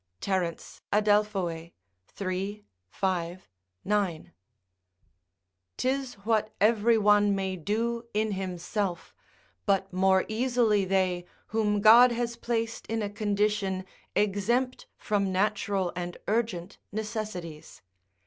Terence, Adelph., iii. 5, 9.] 'Tis what every one may do in himself, but more easily they whom God has placed in a condition exempt from natural and urgent necessities.